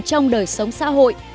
trong đời sống xã hội